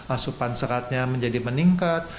asupan seratnya menjadi meningkat